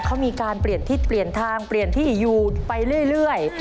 เขามีการเปลี่ยนทิศเปลี่ยนทางเปลี่ยนที่อยู่ไปเรื่อย